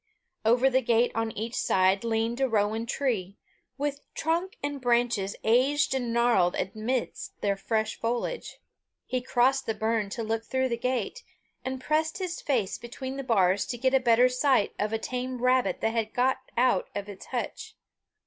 Over the gate on each side leaned a rowan tree, with trunk and branches aged and gnarled amidst their fresh foliage. He crossed the burn to look through the gate, and pressed his face between the bars to get a better sight of a tame rabbit that had got out of its hutch.